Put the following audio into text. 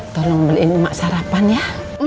tolong beliin emak sarapan ya